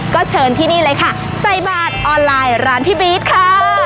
ก็เชิญที่นี่เลยค่ะใส่บาทออนไลน์ร้านพี่บี๊ดค่ะ